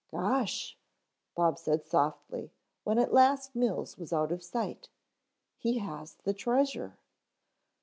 "Gosh," Bob said softly when at last Mills was out of sight, "he has the treasure."